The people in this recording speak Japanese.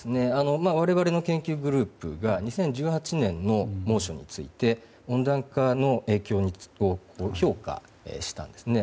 我々の研究グループが２０１８年の猛暑について温暖化の影響を評価したんですね。